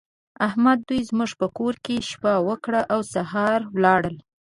احمد دوی زموږ په کور کې شپه وکړه او سهار ولاړل.